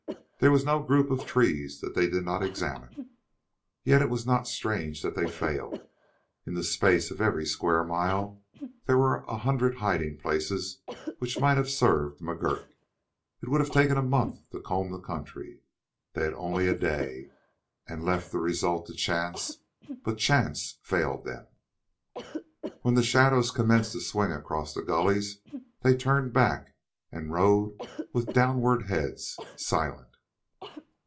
There was no group of trees they did not examine. Yet it was not strange that they failed. In the space of every square mile there were a hundred hiding places which might have served McGurk. It would have taken a month to comb the country. They had only a day, and left the result to chance, but chance failed them. When the shadows commenced to swing across the gullies they turned back and rode with downward heads, silent.